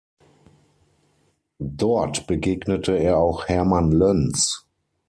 Dort begegnete er auch Hermann Löns.